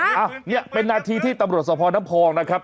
อ้าวนี่เป็นหน้าที่ที่ตำรวจสมพรณภองนะครับ